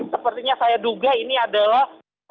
sepertinya saya duga ini adalah